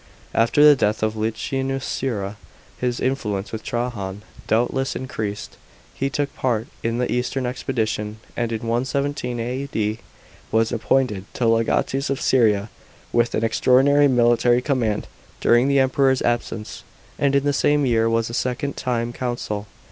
After the death of Licinius Sura, his influence with Trajan doubtless increased. He took part in the eastern expedition, and in 117 A.D. was appointed legatus of Syria, with an extraordinary military command during the Emperor's absence; and in the same year was a second time consul.